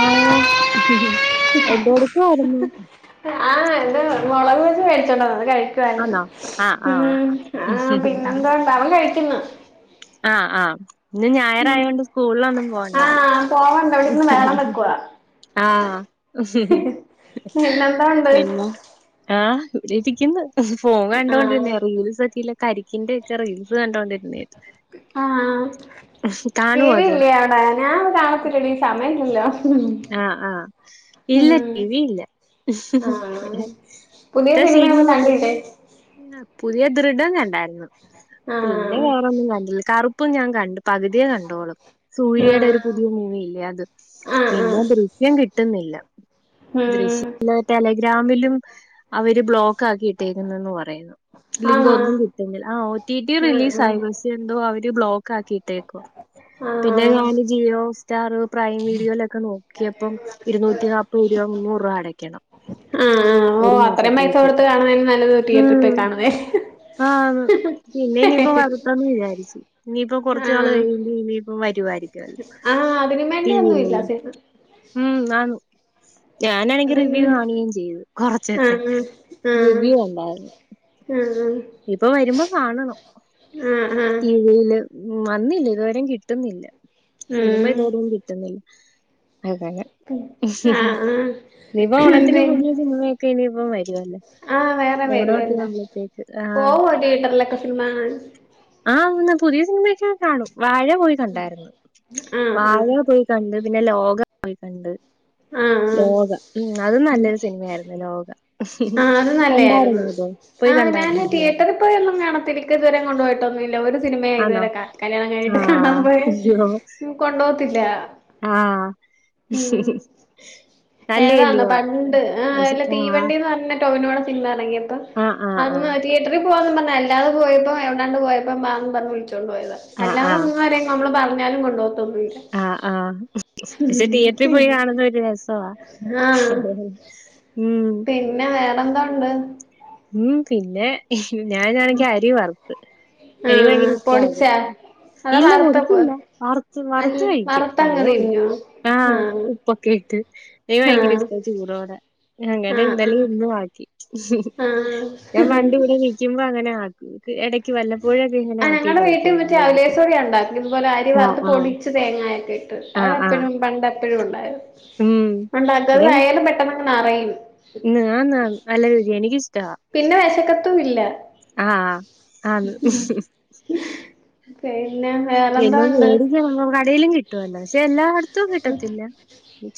ആ എന്തോടുക്കുവാരുന്നു ആഹ് [unintelligible] മുളക് ബജി മേടിച്ചോണ്ട് വന്ന്, അതു കഴി വാരുന്നു ആന്നോ? ആഹ് ആഹ് ഉം ആഹ് ആഹ് ആ പിന്നെന്തോ ഉണ്ട് അവൻ കഴിക്കുന്നു. ആ ആ ഇന്ന് ഉം. ഞായറായകൊണ്ട് സ്കൂളിലൊന്നും ആ പോവണ്ടാല്ലോ പോവണ്ട അവിടെ ഇരുന്നു ബഹളം വെക്കുവ ആഹ് പിന്നെന്താ ഉണ്ട് പിന്നെ ആ ഇവിടെ ഇരിക്കുന്നു ഫോൺ ആ കണ്ടോണ്ടിരുന്ന റീൽസൊക്കെയിലേ കരിക്കിന്റെ ഒക്കെ റീൽസ് കണ്ടോണ്ടി ആ ആ കാണുവോ അത് [unintelligible] ആ ഞാൻ ഒന്നും കാണത്തില്ലടി സമയവില്ലല്ലോ ആ ആ ഇല്ല ടിവി ഇല്ല ആ പുതിയ സിനിമയൊന്നും [unintelligible] കണ്ടില്ലേ പുതിയ ദൃഢം കണ്ടായിരുന്നു. ആ പിന്നെ വേറൊന്നും കണ്ടില്ല. കറു- പ്പ് ഞാൻ കണ്ട്. പകുതിയെ കണ്ടോളു. ആ സൂര്യയുടെ ഒരു പുതിയ മൂവി ഇല്ലേ അത്. ആ പി ആ [unintelligible] ദൃശ്യം കിട്ടുന്നില്ല. ഉം. ദൃശ്യം [inaudible] ടെലഗ്രാമിലും അവര് ബ്ലോക്ക് ആക്കിയിട്ടിരിക്കുന്നുന്ന് പറ റയുന്നു. ലിങ്ക് ആണോ ഒന്നും കിട്ടുന്നില്ല. ആഹ് ഒ ടി ടി ഉം, റിലീസ് ഉം. ആയി പക്ഷെ എന്തോ അവര് ബ്ലോക്ക് ആക്കി. തേക്കൊ. ആഹ് പിന്നെ ആഹ് ഞാന് ജിയോ സ്റ്റാർ [unintelligible] പ്രൈം വീഡിയോയിലൊക്കെ നോക്കിയപ്പം ഇരുന്നൂറ്റി നാപ്പത് രൂപ മുന്നൂറ് രൂപ അടയ്ക്കണം ആഹ് ആഹ് ഓ ഒരു അത്രയും പൈസ മാസത്തേക്ക് കൊടുത്ത് കാണുന്നന് നല്ലത് തിയേറ്ററി പോയി കാണുന്നേല്ലേ ആഹ് പിന്നെ ഇനിയിപ്പോ വരട്ടെന്ന് വിചാരിച്ചു ഇനിയിപ്പ കൊറച്ചു നാള് ആഹ് കഴിയുമ്പോ ഇനിയിപ്പ വരുവരിക്കും ആഹ് അതിന് മേണ്ടി ഒന്നും ഇല്ല സിനിമ ഉം ആന്ന് ഞാനാണെങ്കിൽ റിവ്യൂ അതെങ്ങനെ കാണുകയും ചെയ്തു കൊറച്ചൊക്കെ ആഹ് റിവ്യൂ ഉണ്ടാരുന്ന് ഉം ഇനിപ്പൊ വരുമ്പോ കാണണം ആഹ് ആഹ് ടീവില് വന്നില്ല ഇതുവരെ കിട്ടുന്നില്ല സിനിമ ഉം ഇതോടെ ഒന്ന കിട്ടുന്നില്ല ആതാ ഞാൻ ആഹ് ആഹ് ഇയിപ്പ ഓണത്തിന് പി പുതിയ സിനിമയൊക്കെ ഇനിയിപ്പ വരുവല്ലോ ആഹ് വേറെ വരുവല്ല [unintelligible] പോവോ തിയേറ്ററിലൊക്കെ സിനമ കാണാൻ? ആഹ് പിന്നെ പുതിയ സിനിമൊക്കെ കാണും വാഴ പോയി കണ്ടായിരുന്നു ആഹ് വാഴ ആഹ് പോയി കണ്ട് പിന്നെ ലോക പോയി കണ്ട് ആഹ് ആഹ് ലോക ഉം അതു നല്ലൊരു സിനിമയായിരുന്നു ലോക ആഹ് അത് കണ്ടായിര്ന്നോ ത് പോയി കണ്ട തിയേറ്ററിൽപോയി ഒന്നും കാണാത്തില്ല ഇക്ക ഇതുവരെ കൊണ്ട് പോയിട്ടൊന്നുമില്ല ഒരു സിനിമ ആണോ ഇതുവരെ ക കല്യാണം കഴിഞ്ഞിട്ട് കാണാൻ പോയെ കൊണ്ടുപോത്തില്ല ആഹ് ഉം ഏതാന്ന നല്ലതല്ലയോ? പണ്ട് ആഹ് പക്ഷെ ഇല്ല ആ. തീവണ്ടി പറഞ്ഞ ടോവിനോടെ സിനിമ ഇറങ്ങിയപ്പോ ആ, ആ, ആ. അന്ന് തിയേറ്ററിൽ പോവാന്ന് പറഞ്ഞ അല്ലാതെ പോയപ്പോ എവിടാണ്ട് പോയപ്പോ വാന്ന് പറഞ് വിളിച്ചോണ്ട് പോയതാ ആ, ആ. അല്ലാതെ ഒന്ന് നമ്മള് പറഞ്ഞാലും കൊണ്ടപോകത്തൊന്നുല്ല ആഹ് ആഹ് പക്ഷെ തിയേറ്ററി പോയി കാണുന്ന ഒരു രസവാ ആഹ് ഉം പിന്നെ വേറെന്തോണ്ട്‌ ഉം പിന്നെ ഞാൻ ആണെങ്കിൽ അരി വറുത്ത് എനിക്ക് ആഹ് ഭയങ്കര ഇഷ്ടവ അത് പൊടിച്ചാ അതോ ഇല്ല വറുത്തപ്പോ പൊടിച്ചില്ല വറുത്ത് അൽ വറുത്ത് കഴിക്കും അതേ വറുത്തങ്ങ് ഒള്ള് തിന്നോ ആഹ് ഉപ്പ് ഓക്കേ ഇട്ട് എനിക് ഭയങ്കര ആഹ് ഇഷ്ട ചൂടോടെ അങ്ങനെ ആഹ് ഇന്നലെ ഇന്നും ആക്കി ആഹ് ഞാൻ ആഹ് പണ്ട് ഇവിടെ നിക്കുമ്പോ അങ്ങനെ ആക്കും ഇടക്ക് വല്ലപ്പോഴൊക്കെ ഇങ്ങനെ ആ ആക്കി ഞങ്ങടെ കഴിക്കും വീട്ടിൽ മറ്റേ വൈകിട്ട് ആഹ് ആഹ് തേങ്ങയൊക്കെ ഇട്ട് ആഹ് ആഹ് അതെപ്പോഴും പണ്ട് എപ്പഴും ഉണ്ടാരുന്ന് ഉം ഉണ്ടാക്ക അത് എടേ വയറ് പെട്ടന്ന് നറയും [unintelligible] ന്ന് ആന്ന് നല്ല രുചിയാ എനിക്കിഷ് പിന്നെ വെശക്കത്തും ഇല്ല ആഹ് ആഹ് ആന്ന് പിന്നെ വേറെന്തോ ഉണ്ട് [unintelligible] കടയിലും കിട്ടുവല്ലോ പക്ഷെ എല്ലായിടത്തും കിട്ടത്തില്ല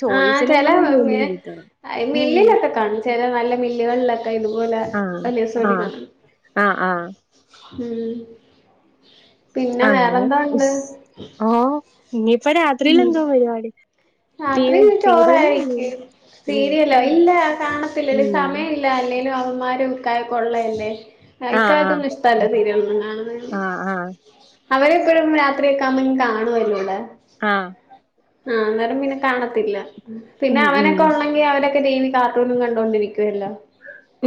ചോയ്സിലും കാണാൻ പോ [unintelligible] ഐ മില്ലിലൊക്കെ കാണും ചില നല്ല മില്ലുകളിലൊക്കെ ഇതുപോലെ ആഹ് വല്യ ആഹ് [unintelligible] ആഹ് ആഹ് ഉം പിന്നെ അങ്ങനെ വേറെന്തോ ഉണ്ട് ഇസ് ആഹ് ഇനിയിപ്പ രാത്രിൽ എന്തോ പരിപാടി ടി വി രാത്രിന്നും സീരിയല് കാണോ ചോറായിക്കല്. ഉം സീരിയലോ? ഉം ഇല്ല, കാണത്തില്ല. ഉം സമയല്ല ല്ല അല്ലേലും അവമാരും ഇക്കായൊക്കെള്ളല്ലേ ആഹ് ആഹ് ഇക്കാക്കൊന്നും ഇഷ്ടല്ല സീരിലൊന്നും കാണ് മം, ആഹ് ആഹ് അവരെപ്പോഴും രാത്രി ഒക്കാവുമമ്പോ കാണുവാര്ന്നല്ലോ. ! ആഹ്. ആഹ്, അന്നേരം പിന്നെ കാണത്തില്ല. പിന്നെ ഉം ഉം അവനൊക്കെ ഒണ്ടെങ്കി അവരൊക്കെ ടി വി കാ ർട്ടൂണും കണ്ടൊണ്ടിരിക്കുവല്ലോ?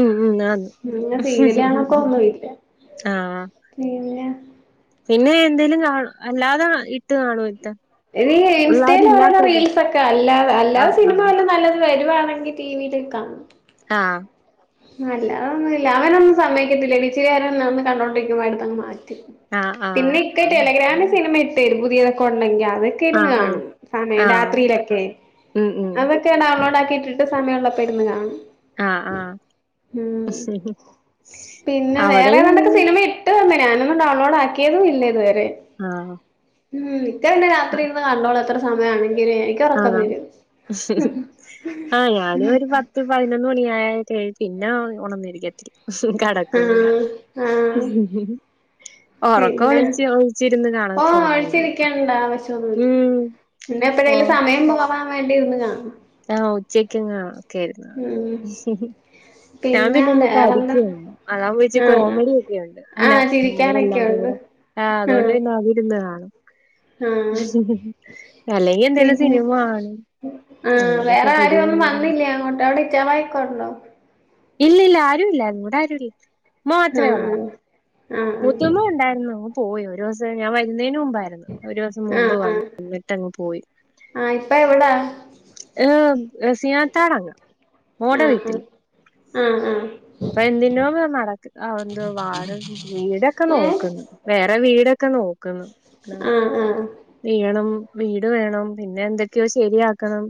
ഉം ഉം ആന്ന് മുഴുവൻ സീരേല് കാണൊക്കൊന്നുല്ല. ആഹ് പിന്നെ പിന്നെ എന്തേലും കാണ, അല്ലാതെ ഇട്ട് കാണോ ഇക്ക? ഇല്ല്യാ ഇൻസ്റ്റേല് ഓരോരോ റീയിൽസൊക്കെ അല്ലാതെ അല്ലാതെ ആഹ് സിനിമ വല്ലോം നല്ലത് വരുവാണെങ്കിൽ ടി വില് ക്കാണും. ആഹ്. അലാതൊന്നുല്ല അവനൊന്നും സമ്മതിയ്ക്കത്തില്ല ഇച്ചിരിനേരൊന്ന് നമ്മ കണ്ടോണ്ടിരിക്കുമ്പോ എട്ത്തങ് മാറ്റും. അഹ്, ആഹ്. ഇക്ക ടെലിഗ്രാമി സിനിമ ഇട്ടരും പുതിയതൊക്കൊണ്ടെങ്കി അത് ക്ക ഇരുന്ന് ആഹ് ആഹ് കാണും. സമയം ആഹ് രാത്രിയിലൊക്കെ. ഉം ഉം അതൊക്കെ, ഡൗൺലാടാക്കിയിട്ടിട്ട് സമയള്ളപ്പോ ഇരുന്ന് കാണും. ആഹ് ആഹ് മ്മ് പിന്നെ വേറെ അവിടെയും ഏതാണ്ടൊക്കെ ഇങ്ങനെ സിനിമ ഇട്ട് തന്നിനി ഞാനൊന്നും ഡൗൺലോഡ് ആക്കിയതുല്ല ഇതുവരെ. ആഹ് ഉം. ഇക്ക പിന്നെ രാത്രിര്ന്ന് കണ്ടോളും. എത്ര സമയാണെങ്കിലേയ്. ഇക്ക് ഒറക്കം അതാണ് വരും. ത്ത്, പയ്നൊന്ന് മണിയായ [unintelligible] പിന്നെ, ഒണന്നിരിക്കത്തില. കടക്കെ ആഹ് ആഹ് [unintelligible] ഒറൊക്കൊ പിന്നെ ഒളിച്ച്, ഒളിച്ചിരുന്ന് കാണൊക്കെ ഒന്നുല്ല. ഉം പിന്നെ എപ്പയേലും സമയം പോവാൻ വേണ്ടിരിന്ന് കാണും. ആഹ്, ഉച്ചക്കിങ്ങനെ ഒക്കെരിന്ന് കാണും ഉം ഞാൻ പിന്നെ ള്ളൊക്കെ അടിച്ചു ക്കാണും. അതാവുമ്പിച്ചി ആഹ് കോമഡിയൊക്കെയൊണ്ട് ആഹ് അവരെല്ലാരും ചിരിക്കാനൊക്കെയുണ്ട് കൂടെ ആഹ്, അതൊണ്ട് പിന്നെ അതിരുന്ന് കാണും. ആഹ് അല്ലെകിൽ എന്തേലും പിന്നെ സിനിമ കാണും. ആഹ്. അങ്ങനെയൊക്കെ വേറെ പുതിയ ആരൊന്നും എന്തെങ്കിലും. വന്നില്ലേ അങ്ങോട്ട്? അവിടെ ചാവായൊക്കൊണ്ടോ? ഇല്ല, ഇല്ല. ആരുല്ലാര്ന്നു. ഇവിടെ ആരുല്ല. മ്മ മാത്രെ ആഹ് ഒള്ളായിരുന്നു. ആഹ് മൂത്തുമ്മ ഉണ്ടാര്ന്നു. പോയി ഒരൂസം ഞാൻ വരുന്നേന് മുമ്പായിരുന്നു ഒരൂസം ആഹ് ആഹ് മുമ്പ് വന്ന് ആഹ് നിന്നിട്ടങ്ങ് പോയി. ആഹ് ഇപ്പ എവടെ ഏഹ്, റസിയാത്താടങ്ങ്. മോടെ ആഹ് വീട്ടില്. ആഹ് ആഹ് ഇപ്പൊ എന്തിന്റോ [unintelligible] നടക്ക്. ആഹ്, എന്തോ വാഴ ന്തോ വീടൊക്കെ ഏഹ് നോക്ക്ൺ. വേറെ വീടൊക്കെ നോക്ക്ന്ന്. ആഹ് ആഹ് ചെയ്യണം വീട് വേണം പിന്നെ എന്തൊക്കെയോ ശരിയാക്കണം.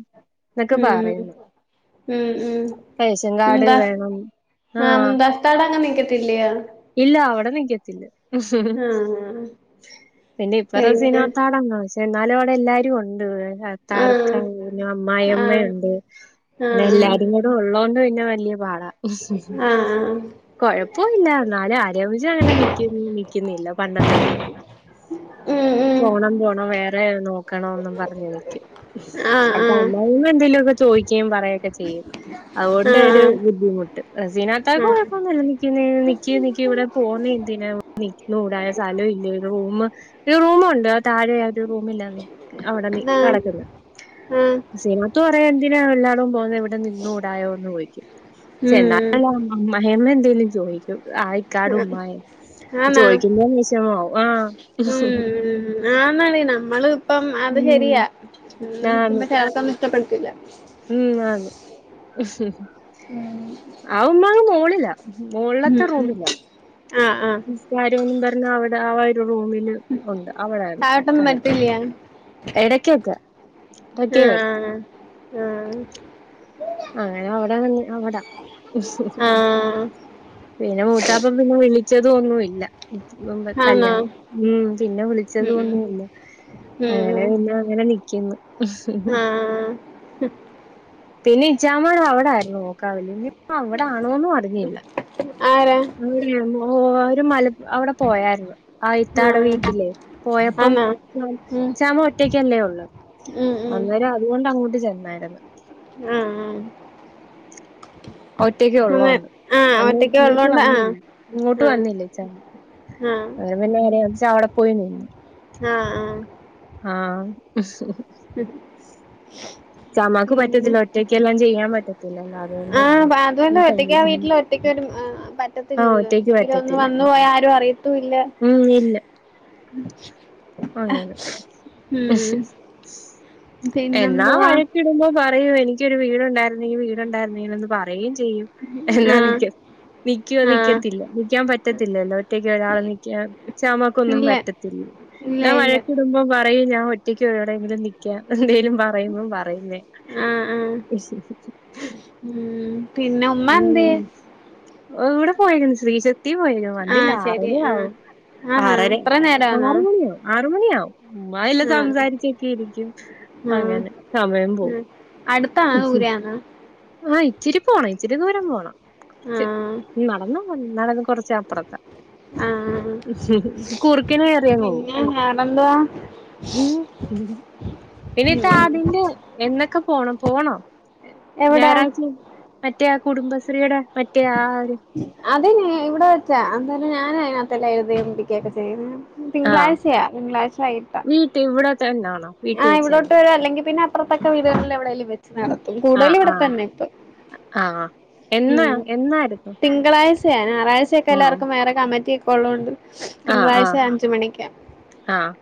ന്നൊക്കെ ഉം പറയ്ന്ന്. ഉം ഉം റേഷൻ കാഡ് മുംതാസ് വേണം. ആഹ്. മുന്താസ്സ്ത്താടെ അങ്ങ് നിക്കത്തില്ലയോ? ഇല്ല അവിടെ നിക്കത്തില്ല. ആഹ് പിന്നെ, ഇപ്പ പിന്നെ റസിനിത്താടെണ്ട്. പഷെ ന്നാലും, അവിടെ എല്ലാരൊണ്ട്. ആഹ് തർക്കം. പിന്നെ ആഹ് അമ്മായമ്മേയുണ്ട്. ന്നെ ആഹ് എല്ലാരും കൂ. [unintelligible] ഉള്ളോണ്ട് പിന്നെ വല്യ പാടാ. ആഹ് കൊഴപ്പൊവില്ല. ന്നാലും, അരവിച് അങ്ങനെ നിക്ക് നിക്കുന്നില്ല പണ്ടത്തെ കൂട്ട്. പോണം പോണം വേറെയാണോ ക്കണോന്നും പറഞ്ഞ് നിക്കും. ആഹ് അട്ത്തെ ആഹ് അമ്മായമ്മ, എന്തേലൊക്കെ ചോയിക്കേം പറയെം. ക്ക് ചെയ്യും അതുകൊണ്ട് ഒരു ബുദ്ധിമുട്ട് റസീനത്താക്ക് ഉം കുഴപ്പൊന്നുല നി നിക്കി നിക്കി ഇവിടെ പോന്ന എന്തിനാ നിനൂടാ സ്ഥലം ഇല്ല റൂമ് റൂമുണ്ട് താഴെ ഇന്റെ റൂമിലാന്ന് അവിടെ നീ ഉം ആഹ് ആഹ് ആഹ് ആഹ് കെടക്ക്ന്നെ ആഹ് [unintelligible] സ് പറയാ എന്തിനാണ് എല്ലാട പോകുന്നത് ഇവിടെ നിന്നുടായോ എന്ന് പോയിക്ക് ഉം ചെന്നാല് അമ്മാഹേമ്മ എന്തെലും ചോദിക്കും ആയ് ഇക്കാടെ ഉമ്മാടെ ആന്നാ ചോദിക്കുന്ന വിഷമാവും ആഹ് ആന്നള് നമ്മള് ഇപ്പം അത് ഉം ശരിയാ ആന്ന് നിക്കുമ്പോ ചെലോൽക്കൊന്നും ഇഷ്ടപ്പെടത്തില്ല ഉം ആണ് ഉം അത് ഒന്നാമത് മോള്ല്ലാ ഉം ഉം ആ ആ നിസ്കാരും കട്ന്ന് അവെടെ ആ ഒരു റൂമില് ഒണ്ട് അവിടാണ് താഴോട്ടൊന്നും അക്കാല വരത്തില്ല്യ എടക്യക്കൊക്കെ ആഹ് ആഹ് അങ്ങനെ അവടാ വന്ന് അവടാ ആഹ് പിന്നെ മൂത്താപ്പ പിന്നെ വിളിച്ചതു ഒന്നു ഇല്ല മുൻപ് ആന്നോ കല്യാണം ഉം പിന്നെ ഉം വിളിച്ചതൊന്നുമില്ല അങ്ങനെ ഉം പിന്നങ്ങനെ നിക്ക്ന്ന് ആഹ് പിന്നെ ഇച്ചാമാ അവടായിരുന്നു നോക്കാവേ നി ഇപ്പ അവട ആണോന്നു അറിഞ്ഞില്ല ആരാ [unintelligible] അവിടെ പോയായിരുന്നു ആ ഇത്താടെ ആഹ് വീട്ടിലേ പോയപ്പം ആന്നോ ഉം ചാമ ഒറ്റയ്ക്കല്ലേ ഒള്ളൂ ഉം ഉം അന്നേരം അതുകൊണ്ട് അങ്ങോട്ട് ചെന്നായിരുന്നു ആഹ് ആഹ് ഒറ്റക് അതെ ഒള്ളോണ്ട് ആഹ് അന്ന് ഒറ്റക്ക് ഇങ്ങട്ട് ഉള്ളോണ്ട് ആഹ് വന്നില്ല ഇങ്ങോട്ട് ആഹ് വന്നില്ലേ ഇച്ചൻ ആഹ് അങ്ങെനെ പിന്നെ ഇച്ച അവിടെ പോയി നിന്നു ആഹ് ആഹ് ആഹ് ഉം പിന്നെ പറ്റത്തില്ല ഒറ്റയ്ക്കെല്ലാം ചെയ്യാൻ പറ്റത്തില്ലല്ലോ അതുകൊണ്ട് ആഹ് അതുകൊണ്ട് ഒറ്റക്ക് ആ സമ്മതിക്കുന്നു വീട്ടില് ഒറ്റക്ക് ആ പറ്റത്തില്ലല്ലോ ഒറ്റയ്ക്ക് ന്തെങ്കിലൊന്ന് പറ്റത്തില്ല വന്ന് പോയാ ആരും അറിയത്തൂല്ല ഉം ഇല്ല അങ്ങനെ ഉം എന്നാ പിന്നെന്തുവാ വഴക്കിടുമ്പോ പറയും എനിക്കൊരു വീടുണ്ടായിരുന്നെങ്കിൽ വീടുണ്ടായിരുന്നെങ്കിൽ ന്ന് പറയുകയും ചെയ്യും എന്നാ ആഹ് നിക്യോ നിക്ക്യോ ആഹ് നിക്കത്തില്ല നിക്കാൻ പറ്റത്തില്ലല്ലോ ഒറ്റക്ക് ഒരാള് നിക്കാൻ ശ്യാമക്കൊന്നും ഇല്ല പറ്റത്തില്ല ഇല്ല ഇല്ല തുമ്പം പറയും ഞാ ഒറ്റയ്ക്ക് എവിടെെങ്കിലും നിക്ക്യ എന്തേങ്കലും പ [unintelligible] പറയുന്നേ ആഹ് ആഹ് ഉം പിന്നെ ഉമ്മ എന്തെയേ ഉം ഇവിടെ പോയിരുന്നു ശ്രീ ത്തി പോയിനു വന്നില്ല ആഹ് ശരി ആഹ് ആറരയാവും ആന്നോ ആറര ഇത്ര നേരാന്നോ ആറ് മണിയാവും ആറ് മണിയാവും ചുമ്മ ഇതില് ആഹ് സംസാരിച്ചൊക്കെ ഇരിക്കും ആഹ് അങ്ങനെ സമയം പോവും ആഹ് അടുത്താണോ ദൂരെയാണോ ആഹ് ഇച്ചിരി പോണം ഇച്ചിരി ദൂരം പോണം ച്ച് ആഹ് നടന്നാ നടന്ന് കൊറച്ച് അപ്പുറത്ത്‌ ആഹ് ശരി കുറുക്കനെ കേറിങ്ങ് പോകും പിന്നെ വേറെന്തുവാ ഉം പിന്നെ ഈ ടാബ്ന്റെ എന്നൊക്കെ പോണം പോണ്ണോ എവിടാ ഞായറാഴ്ച്ചിം മറ്റേ ആ കുടുംബശ്രീടെ മറ്റേ ആ ഒരു അതിന് ഇവിടെ വെച്ചാ അന്നേരം ഞാൻ അതിനകത്തല്ലാം എഴുതേം പിടിക്കേം ഒക്കെ ചെയ്യുന്നെ. ആഹ് തിങ്കളാഴ്ചയാ, തിങ്കളാഴ്ച വൈകിട്ടാ. വീട്ടിൽ ഇവിടെ തന്നാണോ? ആ വീട്ടിൽ വെച്ച് ഇവിടോട്ടു തന്നെ വരും അല്ലെങ്കി പിന്നെ അപ്പറത്തക്ക വീടുകളിൽ എവിടെലും വെരും. നടത്തും കൂടുതൽ ആഹ് ഇടെ ആഹ് തന്നെ ഇപ്പം, ആഹ് മ് എന്നാ തിൻ എന്നായിരുന്നു തിങ്കളാഴ്ചയാ ഞായറാഴ്ചെക്കെ ആഹ് എല്ലാർക്കും വേറെ കമ്മറ്റിയക്കെ ഒള്ളോണ്ട് ആഹ് തിങ്കളാഴ്ച ആഹ് അഞ്ചുമണിക്ക. ആഹ്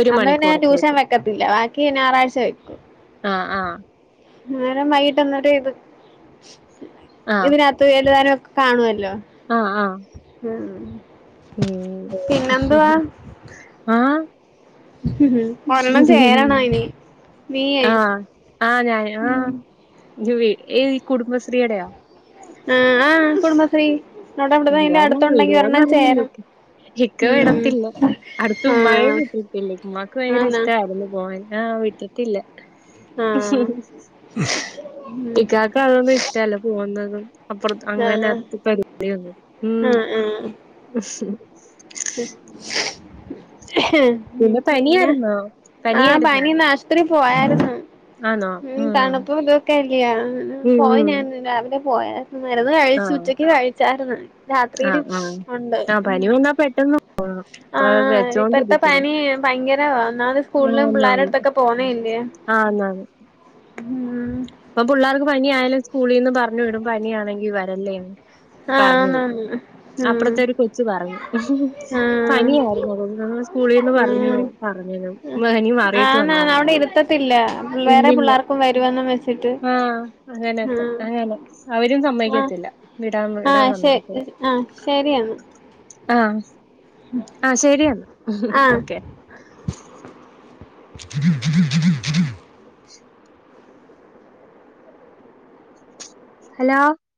ഒരു അന്ന് പിന്നെ നാ ട്യൂഷൻ മണിക്കൂറത്തേക്ക് വെ ഇല്ല ബാക്കി ഞാറാഴ്ച വെക്കും. ആഹ് ആഹ് നേരം വൈകിട്ട്ന്നരു ഇത് ആഹ് ഇതിന എഴുതുവാനോക്കെ കാണുവല്ലോ. ആഹ്, ആഹ്. ഉം, ഉം. ഉം ആഹ് ഉം ഒരെണം ചേരണം ഇനി നീയേ. ആഹ് ജുവൈ ഏ ഈ കുടുംബശ്രീടെയോ? ആഹ്, ആ കുടുംബശ്രീ അവിടെവിടേലും എന്താന്ന് അടുത്തുണ്ടെങ്കി വിടുവോന്ന് ഒരെണ്ണം അറിഞ്ഞില്ല ചേരണം. ഇക്ക് ഇക്ക ഉം വിടത്തില്ല, അടുത്ത് ആ ഉമ്മായെയും വിട്ടിട്ടില്ല ഉമ്മാക്ക് ഭയങ്കര ആന്നാ ഇഷ്ടയിരുന്നു പോവാൻ ആ വീട്ടി ടില്ല ആ ഉം ഇക്കാക്ക് അതൊന്നും ഇഷ്ടല്ല പോകുന്നതും അപ്പറത്ത് ആ അങ്ങനെ അടുത്ത പെരി ഉം ആ ആ പിന്നെ. ആഹ് പനിയായിരുന്നു പനിന്ന് ആശുത്രി പോയാരുന്നു. ഉം തണുപ്പുതും. ക്കല്ല്യ ഉം പോയി ഉം ഞാൻ രാവിലെ പോയര് മരുന്ന് ആ കഴിച്ചു ഉച്ചക്ക് കഴിച്ചാര്ന്ന്. ആ രാത്രിടിം ആ ഒണ്ട്. ആ ഉം പനി വന്നാ പെട്ടെന്ന്. പ- ആഹ് ഇപ്പത്തെ വെച്ചോണ്ടിരിക്കല്ലേ പനി ഭയങ്കരവാ. ഒന്നാത് ആ സ്കൂളിലും ആന്നാന്ന് പിള്ളേരടുത്തൊക്കെ പോവുന്നേ അല്ലേ. ആന്നാന്ന്. ഇപ്പം പുള്ളേർക്ക് പനിയായാലും സ്കൂളിന്ന് പറഞ്ഞു വിടും പനിയാണെങ്കി വരല്ലേന്ന്. പറഞ്ഞു കൊടുക്കും. ആന്നാന്ന് ഉം അപ്പറത്തെ ഒരു കൊച്ച് പറഞ്ഞു ആഹ് പനിയായിരുന്നു. അതുകൊണ്ടാ സ്കൂളിന്ന് പറഞ്ഞു ഉം പറഞ്ഞിനു പനി മാറിട്ട് വന്നാ ആന്നാന്ന് മതി അവിടെ എന്ന്, ഇരുത്തത്തില്ല വേറെ ഇല്ലില്ല. [unintelligible] ആഹ് അങ്ങനത്തെ അങ്ങനെ അവരും ആഹ് ആഹ് സമ്മതിക്കത്തില്ല. വിടാൻ വിടാൻ ആഹ് ശെ സമ്മതിക്കത്തില്ല ആ ശരിയാണ്. ആ, ആ ശരിന്ന ആഹ് ഓക്കെ. [unintelligible] ഹലോ?